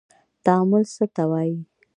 تعامل څه ته وايي.